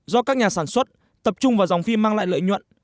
do các nhà sản xuất tập trung vào dòng phim mang lại lợi nhuận